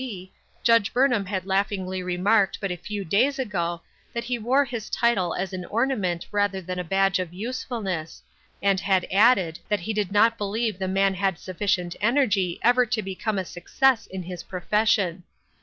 D., Judge Burnham had laughingly remarked but a few days ago that he wore his title as an ornament rather than a badge of usefulness, and had added that he did not believe the man had sufficient energy ever to become a success in his profession.